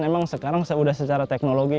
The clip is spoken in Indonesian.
memang sekarang sudah secara teknologi